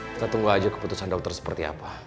kita tunggu aja keputusan dokter seperti apa